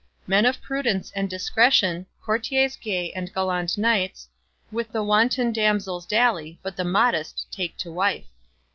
Men of prudence and discretion, Courtiers gay and gallant knights, With the wanton damsels dally, But the modest take to wife.